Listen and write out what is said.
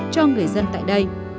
cho người dân tại đây